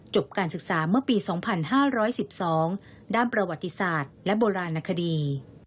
การศึกษาเมื่อปี๒๕๑๒ด้านประวัติศาสตร์และโบราณคดี